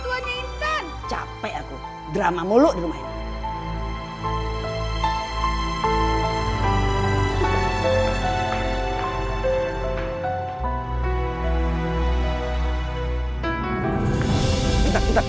terus engkau jadi anak pembawa tak